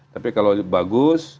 tapi kalau bagus